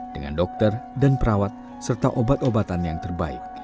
dengan dokter dan perawat serta obat obatan yang terbaik